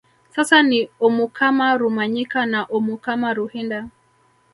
Sasa ni omukama Rumanyika na omukama Ruhinda